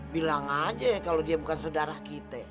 bilang aja kalo dia bukan saudara kita